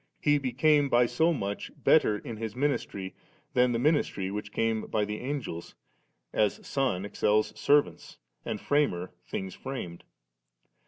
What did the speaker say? He became by so much better in His ministry than the ministry which came by the Angels, as Son excels servants and Framer things framed.